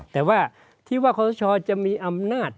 แต่ว่าคอสชจะมีอำนาจ